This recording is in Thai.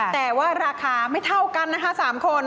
แต่ว่าราคาไม่เท่ากันนะคะ๓คน